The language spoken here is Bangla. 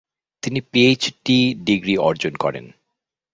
তিনি পিএইচডি ডিগ্রি অর্জন করেন।